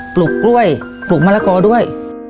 ผลุกกล้วยผลุกมะลากอด้วย